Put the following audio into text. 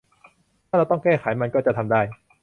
ถ้าเราต้องแก้ไขมันก็จะทำได้